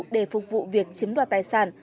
để phục vụ việc chiếm đoạt tài sản